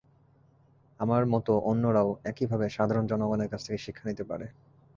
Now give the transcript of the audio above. আমার মতো অন্যরাও একইভাবে সাধারণ জনগণের কাছ থেকে শিক্ষা নিতে পারে।